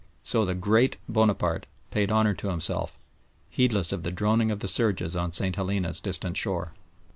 So the "Great" Bonaparte paid honour to himself, heedless of the droning of the surges on St. Helena's distant shore.